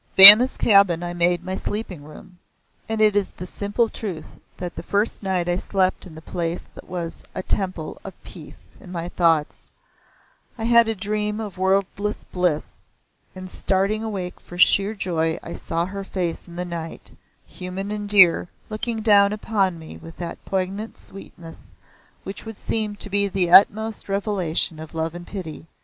Vanna's cabin I made my sleeping room, and it is the simple truth that the first night I slept in the place that was a Temple of Peace in my thoughts, I had a dream of wordless bliss, and starting awake for sheer joy I saw her face in the night, human and dear, looking down upon me with that poignant sweetness which would seem to be the utmost revelation of love and pity.